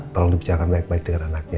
tolong dibicarakan baik baik dengan anaknya